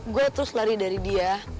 gue terus lari dari dia